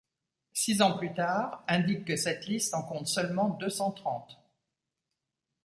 Six ans plus tard, indique que cette liste en compte seulement deux cent trente.